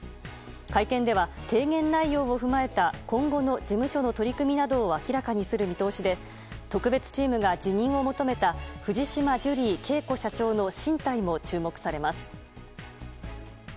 会見では、提言内容を踏まえた今後の事務所の取り組みなどを明らかにする見通しで特別チームが辞任を求めた藤島ジュリー景子社長の進退も注目されます。